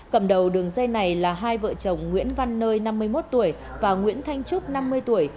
cầm đầu đường dây này là hai vợ chồng nguyễn văn nơi năm mươi một tuổi và nguyễn thanh trúc năm mươi tuổi